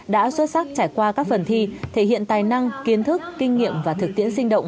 đã xuất sắc trải qua các phần thi thể hiện tài năng kiến thức kinh nghiệm và thực tiễn sinh động